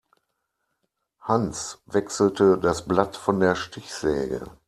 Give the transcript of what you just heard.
Hans wechselte das Blatt von der Stichsäge.